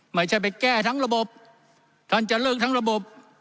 ไม่ใช่ไปแก้ทั้งระบบท่านจะเลิกทั้งระบบ